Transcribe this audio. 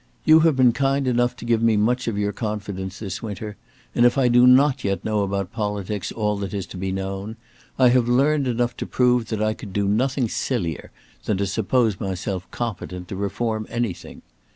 You have been kind enough to give me much of your confidence this winter, and if I do not yet know about politics all that is to be known, I have learned enough to prove that I could do nothing sillier than to suppose myself competent to reform anything.